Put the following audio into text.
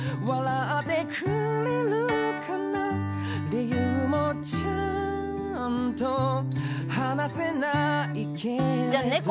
「理由もちゃんと話せないけれど」